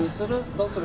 どうする？